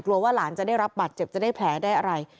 ว่าหลานจะได้รับบัตรเจ็บจะได้แผลได้อะไร